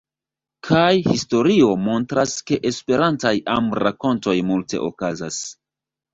Kaj historio montras ke Esperantaj amrakontoj multe okazas.